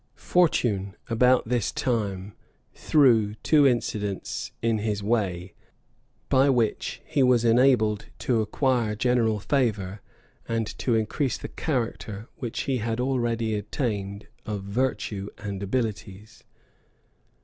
Fortune, about this time, threw two incidents in his way, by which he was enabled to acquire general favor, and to increase the character, which he had already attained, of virtue and abilities.